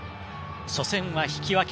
初戦は引き分け。